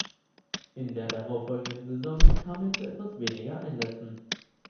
In der darauffolgenden Saison kam er zu etwas weniger Einsätzen.